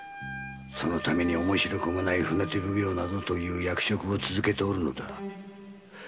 そのために面白くもない船手奉行などを続けておるのだ。